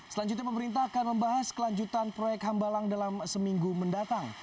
selanjutnya pemerintah akan membahas kelanjutan proyek hambalang dalam seminggu mendatang